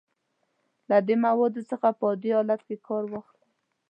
له دې موادو څخه په عادي حالت کې کار واخلئ.